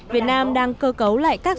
việt nam đang cơ cấu lại các sản xuất